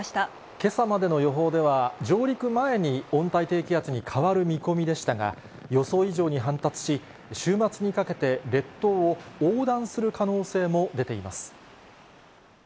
けさまでの予報では、上陸前に温帯低気圧に変わる見込みでしたが、予想以上に発達し、週末にかけて列島を横断する可能性も出ています。